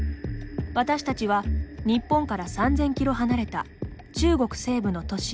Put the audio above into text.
私たちは日本から３０００キロ離れた中国西部の都市